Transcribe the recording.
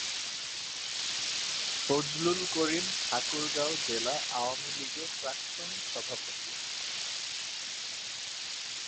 ফজলুল করিম ঠাকুরগাঁও জেলা আওয়ামী লীগের প্রাক্তন সভাপতি।